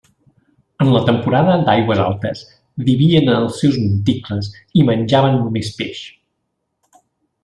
En la temporada d'aigües altes vivien en els seus monticles i menjaven només peix.